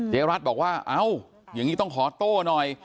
รัฐบอกว่าเอาอย่างนี้ต้องขอโต้หน่อย